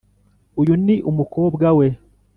uyu ni umukobwa we.